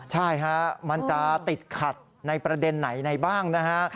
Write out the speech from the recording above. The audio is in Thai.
ใช่ฮะมันจะติดขัดในประเด็นไหนในบ้างนะฮะ